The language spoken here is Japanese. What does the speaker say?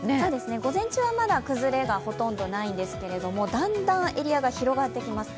午前中はまだ崩れがほとんどないんですけども、だんだんエリアが広がってきます。